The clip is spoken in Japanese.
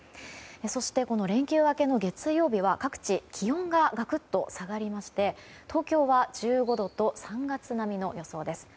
そして、連休明けの月曜日は各地気温がガクッと下がりまして東京は１５度と３月並みの予想です。